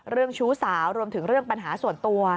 ชู้สาวรวมถึงเรื่องปัญหาส่วนตัว